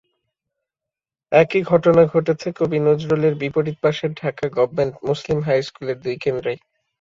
একই ঘটনা ঘটেছে কবি নজরুলের বিপরীত পাশের ঢাকা গভর্মেন্ট মুসলিম হাইস্কুলের দুই কেন্দ্রে।